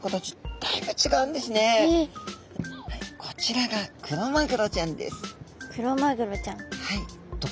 こちらがクロマグロちゃんです。